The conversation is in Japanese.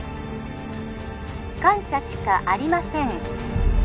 ☎感謝しかありません